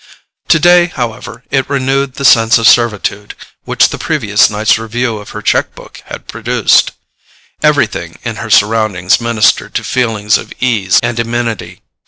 Today, however, it renewed the sense of servitude which the previous night's review of her cheque book had produced. Everything in her surroundings ministered to feelings of ease and amenity.